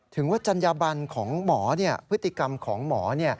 ถึงจัญบันพฤติกรรมของหมอ